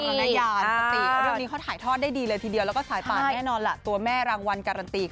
ยานสติเรื่องนี้เขาถ่ายทอดได้ดีเลยทีเดียวแล้วก็สายป่านแน่นอนล่ะตัวแม่รางวัลการันตี